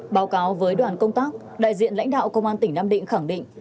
báo cáo với đoàn công tác đại diện lãnh đạo công an tỉnh nam định khẳng định